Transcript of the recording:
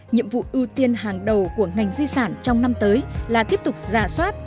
nhiệm vụ ưu tiên hàng đầu của ngành di sản trong năm tới là tiếp tục giả soát